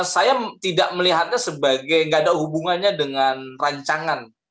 saya tidak melihatnya sebagai tidak ada hubungannya dengan rancangan